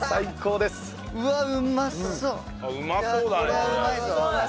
これはうまいぞ。